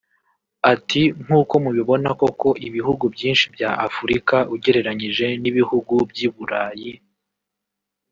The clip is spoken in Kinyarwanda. Ati “Nkuko mubibona koko ibihugu byinshi bya Afurika ugereranyije n’ibihugu by’i Burayi